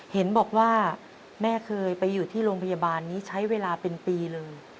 เห็นบอกว่าแม่เคยไปอยู่ที่โรงพยาบาลนี้ใช้เวลาเป็นปีเลย